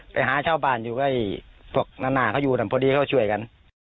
ไปหาเช่าบ้านอ่ะพี่ส่วนหน้าเขายุ่นเพราะว่าตอบมือเรารู้สึกกัน